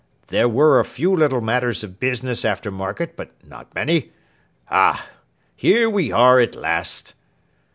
'There were a few little matters of business after market, but not many. Oh! here we are at last!